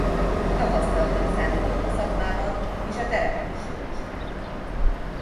Tapasztaltnak számított a szakmában és a terepet is jól ismerte.